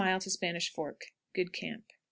Spanish Fork. Good camp. 5.